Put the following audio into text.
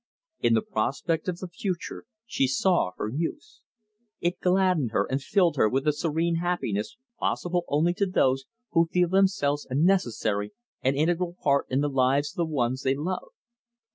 In the prospect of the future she saw her use. It gladdened her and filled her with a serene happiness possible only to those who feel themselves a necessary and integral part in the lives of the ones they love.